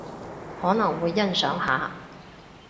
可能會欣賞下